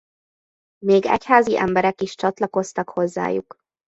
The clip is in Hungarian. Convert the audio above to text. Még egyházi emberek is csatlakoztak hozzájuk.